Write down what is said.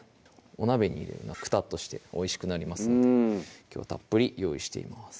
お鍋に入れるのはくたっとしておいしくなりますのできょうはたっぷり用意しています